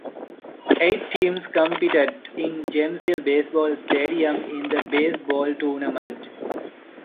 Eight teams competed in Jamsil Baseball Stadium in the baseball tournament.